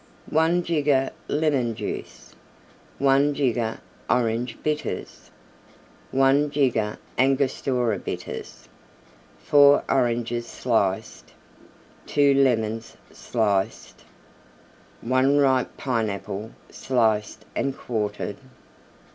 1 jigger Lemon Juice. 1 jigger Orange Bitters. 1 jigger Angostura Bitters. 4 Oranges, sliced. 2 Lemons, sliced. 1 ripe Pineapple, sliced and quartered.